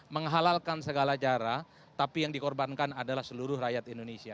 menghalalkan segala cara tapi yang dikorbankan adalah seluruh rakyat indonesia